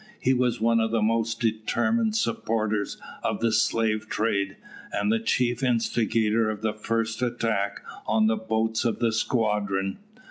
He was one of the most determined supporters of the slave trade, and the chief instigator of the first attack on the boats of the squadron.